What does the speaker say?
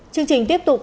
chương trình tiếp tục